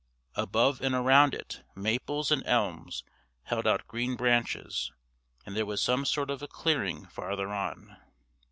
Above and around it maples and elms held out green branches, and there was some sort of a clearing farther on.